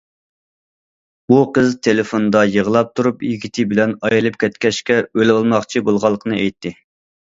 بۇ قىز تېلېفوندا يىغلاپ تۇرۇپ يىگىتى بىلەن ئايرىلىپ كەتكەچكە، ئۆلۈۋالماقچى بولغانلىقىنى ئېيتتى.